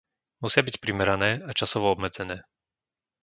Musia byť primerané a časovo obmedzené.